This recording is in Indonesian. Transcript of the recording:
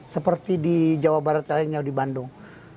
seperti di jawa barat yang ada di bandung